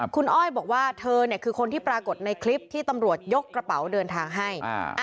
คุณอ้อยบอกว่าเธอเนี่ยคือคนที่ปรากฏในคลิปที่ตำรวจยกกระเป๋าเดินทางให้